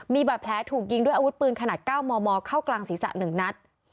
มีบาดแผลถูกยิงด้วยอาวุธปืนขนาด๙มมเข้ากลางศีรษะ๑นัด